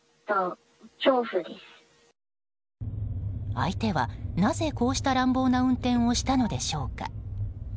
相手はなぜ、こうした乱暴な運転をしたのでしょうか。